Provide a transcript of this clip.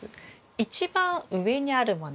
一番上にあるもの。